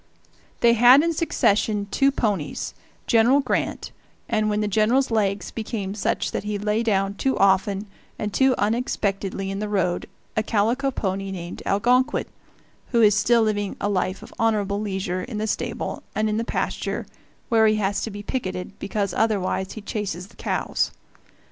They had in succession two ponies, General Grant and, when the General's legs became such that he lay down too often and too unexpectedly in the road, a calico pony named Algonquin, who is still living a life of honorable leisure in the stable and in the pasture where he has to be picketed, because otherwise he chases the cows.